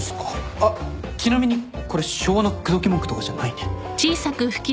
あっちなみにこれ昭和の口説き文句とかじゃないんで。